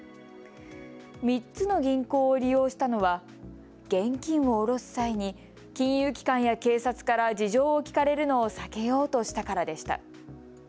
３つの銀行を利用したのは現金を下ろす際に金融機関や警察から事情を聴かれるのを避けようとしたからでした。